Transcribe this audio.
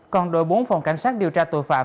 còn đội bốn phòng cảnh sát điều tra tội phạm